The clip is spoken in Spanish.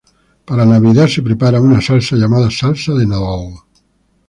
Para navidad se prepara una salsa llamada salsa de Nadal.